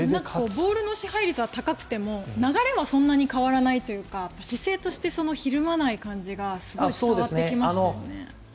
ボールの支配率が高くても流れはそんなに変わらないというか姿勢として、ひるまない感じがすごい伝わってきましたよね。